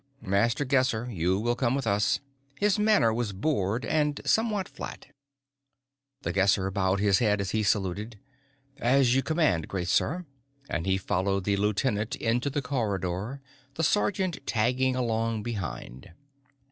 "Master Guesser, you will come with us." His manner was bored and somewhat flat. The Guesser bowed his head as he saluted. "As you command, great sir." And he followed the lieutenant into the corridor, the sergeant tagging along behind.